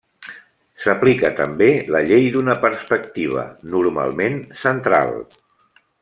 S'aplica també la llei d'una perspectiva, normalment central.